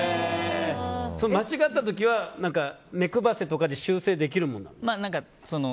間違った時は目配せとかで修正できるもんなの？